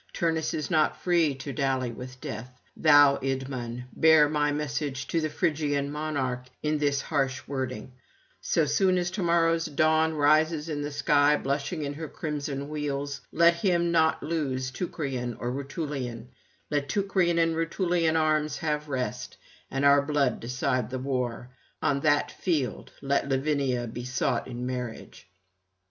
Turnus is not free to dally with death. Thou, Idmon, bear my message to the Phrygian monarch in this harsh wording: So soon as to morrow's Dawn rises in the sky blushing on her crimson wheels, let him not loose Teucrian or Rutulian: let Teucrian and Rutulian arms have rest, and our blood decide the war; on that field let Lavinia be sought in marriage.'